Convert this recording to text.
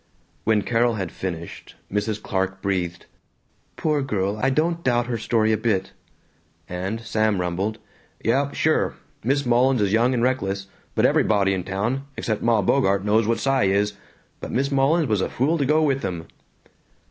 When Carol had finished, Mrs. Clark breathed, "Poor girl; I don't doubt her story a bit," and Sam rumbled, "Yuh, sure. Miss Mullins is young and reckless, but everybody in town, except Ma Bogart, knows what Cy is. But Miss Mullins was a fool to go with him."